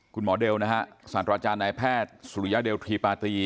คุณหมอเดลนะฮะศาสตราจารย์นายแพทย์สุริยเดลทรีปาตี